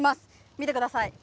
見てください。